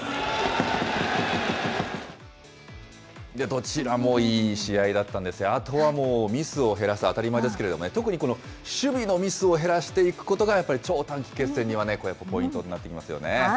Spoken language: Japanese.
どちらもいい試合だったんですが、あとはもうミスを減らす、当たり前ですけれどもね、特にこの守備のミスを減らしていくことが、やっぱり超短期決戦にはね、ポイントになってきますよね。